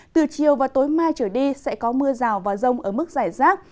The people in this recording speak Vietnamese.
từ chiều và tối mai trở đi sẽ có mưa rào và rông ở mức giải rác